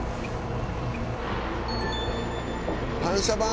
反射板！